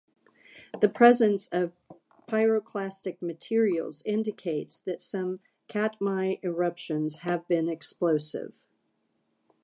The presence of pyroclastic materials indicates that some Katmai eruptions have been explosive.